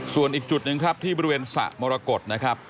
ส่วนอีกจุดหนึ่งครับที่บริเวณสระมรกฏนะครับ